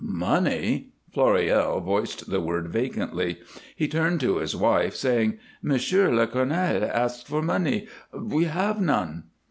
"Money?" Floréal voiced the word vacantly. He turned to his wife, saying, "Monsieur le Colonel asks for money. We have none."